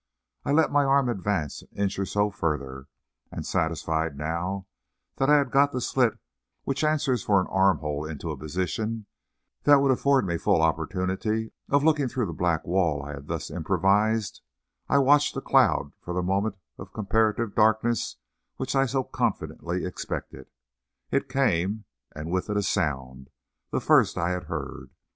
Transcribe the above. I let my arm advance an inch or so further, and satisfied now that I had got the slit which answers for an arm hole into a position that would afford me full opportunity of looking through the black wall I had thus improvised, I watched the cloud for the moment of comparative darkness which I so confidently expected. It came, and with it a sound the first I had heard.